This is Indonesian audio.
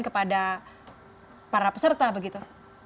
kepada para peserta begitu